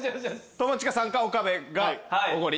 友近さんか岡部がおごり。